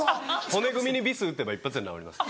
骨組みにビス打てば一発で直ります。